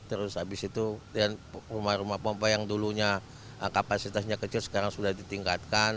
terus habis itu rumah rumah pompa yang dulunya kapasitasnya kecil sekarang sudah ditingkatkan